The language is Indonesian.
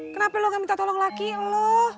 kenapa lu gak minta tolong laki lu